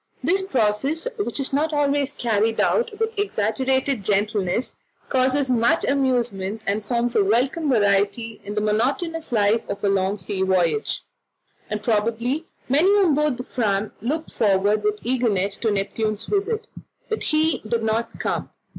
This process, which is not always carried out with exaggerated gentleness, causes much amusement, and forms a welcome variety in the monotonous life of a long sea voyage, and probably many on board the Fram looked forward with eagerness to Neptune's visit, but he did not come.